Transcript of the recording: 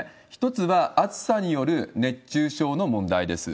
１つは、暑さによる熱中症の問題です。